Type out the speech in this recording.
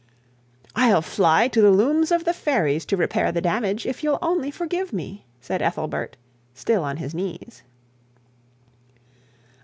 'I'll fly to the looms of the fairies to repair the damage, if you'll only forgive me,' said Ethelbert, still on his knees.